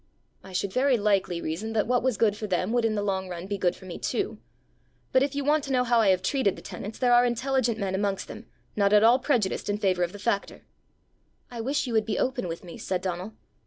"I should very likely reason that what was good for them would in the long run be good for me too. But if you want to know how I have treated the tenants, there are intelligent men amongst them, not at all prejudiced in favour of the factor!" "I wish you would be open with me," said Donal.